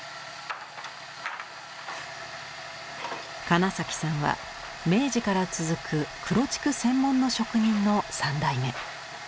金さんは明治から続く黒竹専門の職人の三代目。